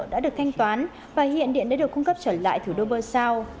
đã được thanh toán và hiện điện đã được cung cấp trở lại thủ đô bersao